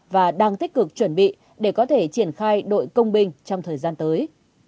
và đang tích cực chuẩn bị để có thể triển khai đội công binh trong thời gian tới